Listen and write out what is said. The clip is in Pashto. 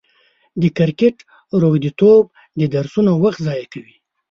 د کرکټ روږديتوب د درسونو وخت ضايع کوي.